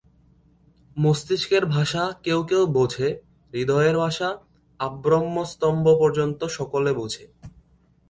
মস্তিষ্কের ভাষা কেউ কেউ বোঝে, হৃদয়ের ভাষা আব্রহ্মস্তম্ব পর্যন্ত সকলে বোঝে।